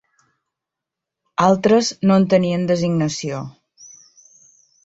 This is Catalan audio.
Altres no en tenien designació.